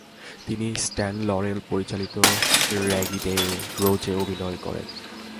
তিনি Stan Laurel পরিচালিত Raggedy রোজ-এ অভিনয় করেন।